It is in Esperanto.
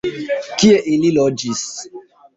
Kie ili loĝis?